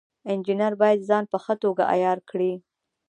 انجینر باید ځان په ښه توګه عیار کړي.